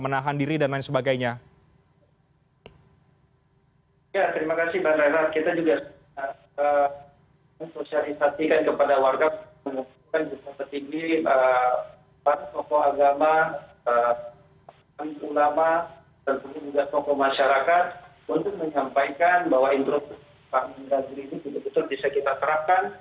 penghidupan diri ini juga bisa kita terapkan